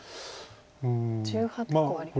１８個あります。